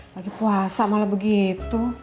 lagi puasa malah begitu